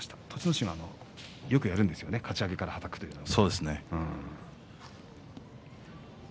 心は、よくやるんですねかち上げからはたくっていうのを。